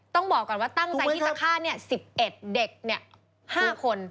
ต้องบอกก่อนว่าตั้งใจที่จะฆ่า๑๑เด็ก๕คน